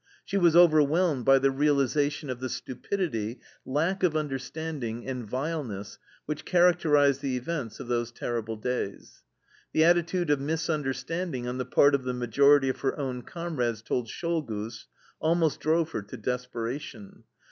She was overwhelmed by realization of the stupidity, lack of understanding, and vileness which characterized the events of those terrible days. The attitude of misunderstanding on the part of the majority of her own comrades toward Czolgosz almost drove her to desperation.